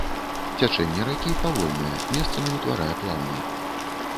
Цячэнне ракі павольнае, месцамі ўтварае плаўні.